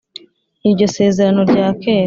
Iryo sezerano rya kera